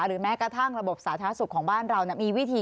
แม้กระทั่งระบบสาธารณสุขของบ้านเรามีวิธี